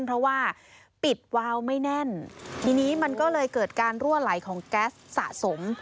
เพราะว่าปิดวาวไม่แน่นทีนี้มันก็เลยเกิดการรั่วไหลของแก๊สสะสม